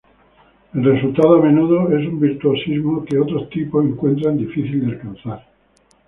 El resultado a menudo es un virtuosismo que otros tipos encuentran difícil alcanzar.